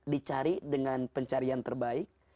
dicari dengan pencarian terbaik